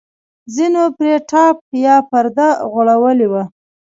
ځینو پرې ټاټ یا پرده غوړولې وه.